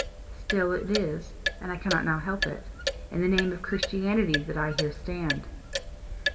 Still it is, and I cannot now help it, in the name of Christianity that I here stand.